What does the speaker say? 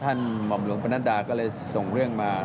หม่อมหลวงประนัดดาก็เลยส่งเรื่องมา